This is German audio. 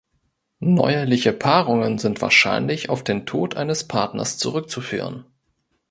Neuerliche Paarungen sind wahrscheinlich auf den Tod eines Partners zurückzuführen.